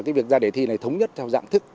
cái việc ra đề thi này thống nhất theo dạng thức